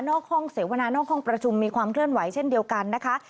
ห้องเสวนานอกห้องประชุมมีความเคลื่อนไหวเช่นเดียวกันนะคะ